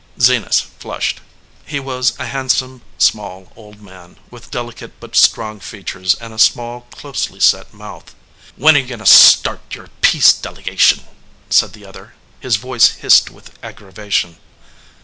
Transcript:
Zenas flushed. He was a handsome, small old man, with delicate but strong features and a small, closely set mouth. 219 EDGEWATER PEOPLE "When are you going to start your peace dele gation?" said the other. His voice hissed with aggravation.